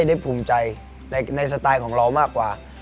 ได้ภูมิใจในสไตล์ของเรามากกว่า